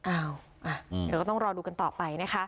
เดี๋ยวก็ต้องรอดูกันต่อไปนะคะ